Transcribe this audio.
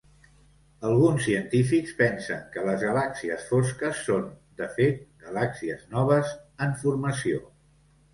Alguns científics pensen que les galàxies fosques són, de fet, galàxies noves en formació.